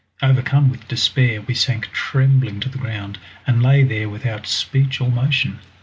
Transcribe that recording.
Overcome with despair we sank trembling to the ground, and lay there without speech or motion.